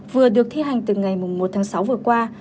vừa được thi hành từ ngày một tháng sáu vừa qua